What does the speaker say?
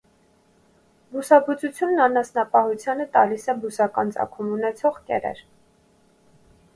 Բուսաբուծությունն անասնապահությանը տալիս է բուսական ծագում ուևեցող կերեր։